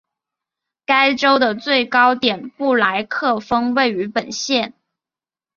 该州的最高点布莱克峰位于本县。